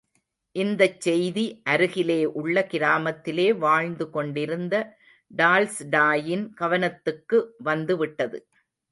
இந்தச் செய்தி அருகிலே உள்ள கிராமத்திலே வாழ்ந்து கொண்டிருந்த டால்ஸ்டாயின் கவனத்துக்கு வந்துவிட்டது.